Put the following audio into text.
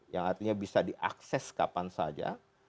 yang artinya bisa diakses kapan saja